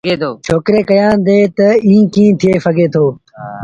ڇوڪري ڪيآݩدي تا ايٚ ڪيٚݩ ٿئي سگھي دو